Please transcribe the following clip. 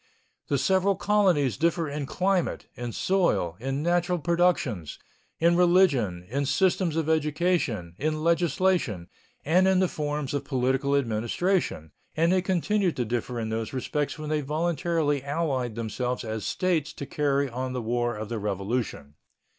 The several colonies differed in climate, in soil, in natural productions, in religion, in systems of education, in legislation, and in the forms of political administration, and they continued to differ in these respects when they voluntarily allied themselves as States to carry on the War of the Revolution.